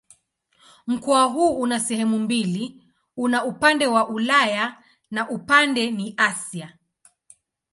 Mkoa huu una sehemu mbili: una upande wa Ulaya na upande ni Asia.